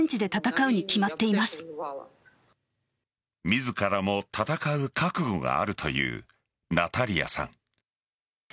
自らも戦う覚悟があるというナタリアさん。